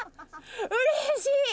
うれしい！